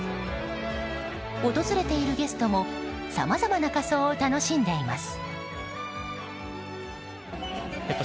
訪れているゲストもさまざまな仮装を楽しんでいます。